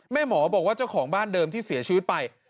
หมอบอกว่าเจ้าของบ้านเดิมที่เสียชีวิตไป